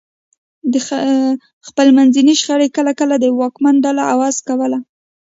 خپلمنځي شخړې کله کله واکمنه ډله عوض کوله.